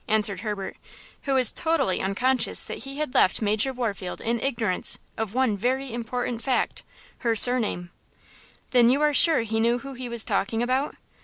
answered Herbert, who was totally unconscious that he had left Major Warfield in ignorance of one very important fact–her surname. "Then you are sure he knew who he was talking about?"